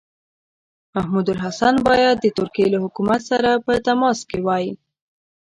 محمودالحسن باید د ترکیې له حکومت سره په تماس کې وای.